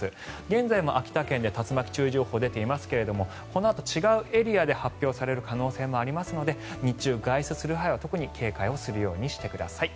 現在も秋田県で竜巻注意情報が出ていますがこのあと違うエリアで発表される可能性もありますので日中、外出する際は特に警戒をしてください。